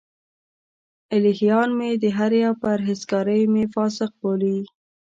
الهیان مې دهري او پرهېزګاران مې فاسق بولي.